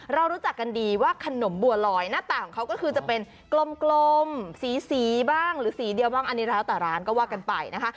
เรารู้จักกันดีว่าขนมบัวลอยหน้าต่างของเขาก็คือจะเป็นกลมสีบ้างหรือสีเดียวบ้างอันนี้แล้วแต่ร้านก็ว่ากันไปนะคะ